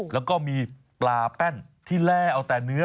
แล้วก็มีปลาแป้นที่แร่เอาแต่เนื้อ